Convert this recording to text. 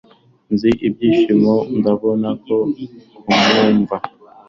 nzi ibyishimo! ndabona kukwumva